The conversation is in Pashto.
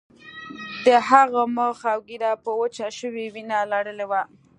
د هغه مخ او ږیره په وچه شوې وینه لړلي وو